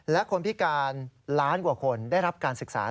และคนพิการล้านกว่าคนได้รับการศึกษา